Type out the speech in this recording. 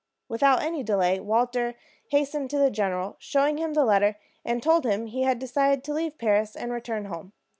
Without any delay Walter hastened to the general, showed him the letter, and told him he had decided to leave Paris and return home.